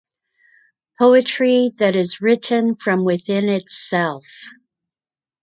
Poetry that is written from within itself.